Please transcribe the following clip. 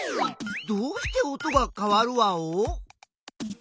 どうして音がかわるワオ？